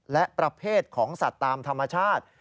และประเภทของสัตว์ตามธรรมชาติ